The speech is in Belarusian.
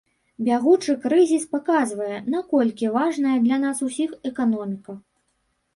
Бягучы крызіс паказвае, наколькі важная для нас усіх эканоміка.